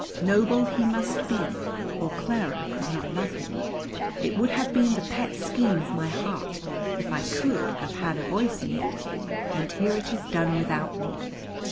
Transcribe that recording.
Noble he must be, or Clara could not love him. It would have been the pet scheme of my heart, if I could have had a voice in it. And here it is done without me!